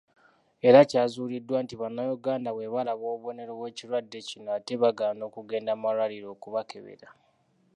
Era kyazuuliddwa nti Bannayuganda bwe balaba obubonero bw'ekirwadde kino ate bagaana okugenda malwaliro okubakebera.